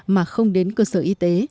mà không đến cơ sở y tế